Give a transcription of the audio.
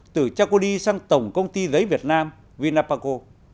từ chakudi sang tổng công ty giấy việt nam vinapaco